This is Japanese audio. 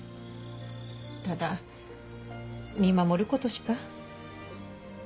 ただ見守ることしか。